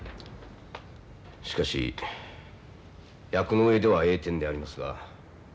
しかし役の上では栄転でありますが。